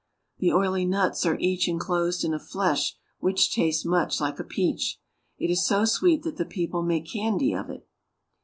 The oily nuts are each inclosed in a flesh which tastes much like a peachy It is so sweet that the people make candy of it.